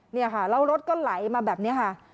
เนี่ยค่ะแล้วรถก็ไหลมาแบบนี้ค่ะ